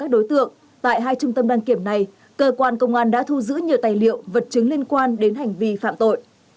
cơ quan công an đã thu giữ nhiều tài liệu vật chứng liên quan đến hành vi phạm tội